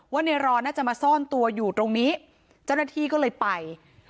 ว่าในรอน่าจะมาซ่อนตัวอยู่ตรงนี้เจ้าหน้าที่ก็เลยไป